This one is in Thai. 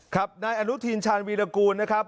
ครับนายอนุทินชาญวีรกูลนะครับ